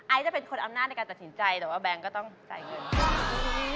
จะเป็นคนอำนาจในการตัดสินใจแต่ว่าแบงค์ก็ต้องจ่ายเงิน